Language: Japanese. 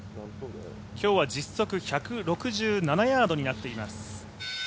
今日は実測１６７ヤードになっています。